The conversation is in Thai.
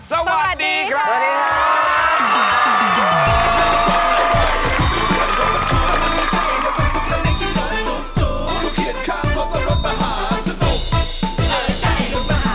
สวัสดีครับสวัสดีครับ